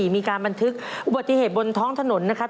มีการบันทึกอุบัติเหตุบนท้องถนนนะครับ